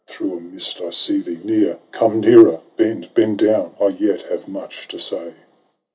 Through a mist I see thee; near — come nearer! Bend — bend down! — I yet have much to say.